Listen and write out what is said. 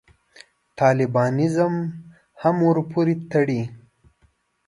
طالبانیزم هم ورپورې تړي.